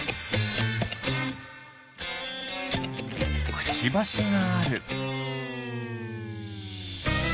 くちばしがある。